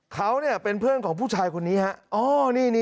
เขาเนี่ยเป็นเพื่อนของผู้ชายคนนี้ครับ